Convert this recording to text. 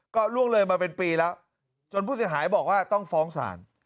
ก็ล่วงเลยมาเป็นปีแล้วจนผู้เสียหายบอกว่าต้องฟ้องศาล